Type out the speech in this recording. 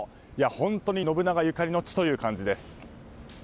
本当に信長ゆかりの地という感じです。